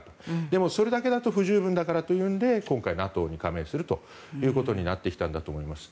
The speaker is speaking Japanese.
でも、それだけだと不十分だからというので今回、ＮＡＴＯに加盟するということになってきたんだと思います。